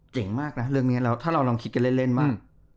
มากนะเรื่องนี้แล้วถ้าเราลองคิดกันเล่นว่า